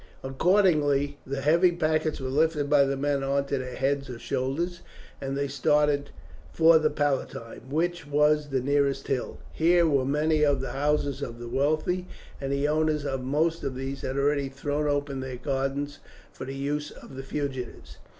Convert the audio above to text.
Accordingly the heavy packets were lifted by the men on to their heads or shoulders, and they started for the Palatine, which was the nearest hill. Here were many of the houses of the wealthy, and the owners of most of these had already thrown open their gardens for the use of the fugitives.